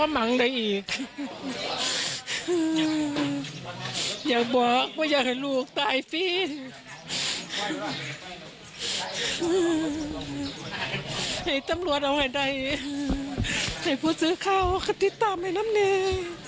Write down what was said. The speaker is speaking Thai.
ให้ผู้ซื้อข้าวคติตามให้นำเนย